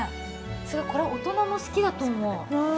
これ、大人も好きだと思う。